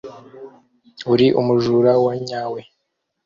uri umujura wa nyawe